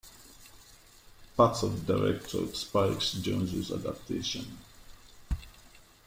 Parts of director Spike Jonze's Adaptation.